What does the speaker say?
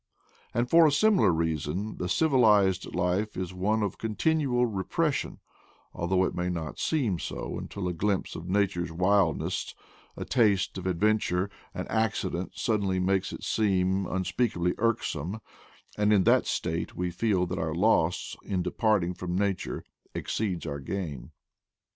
And, for a similar reason, the civilized life is one of continual repression, although it may not seem 216 IDLE DAYS IN PATAGONIA so until a glimpse of nature's wildness, a taste of adventure, an accident, suddenly makes it seem unspeakably irksome; and in that state we feel that our loss in departing from nature exceeds our gain.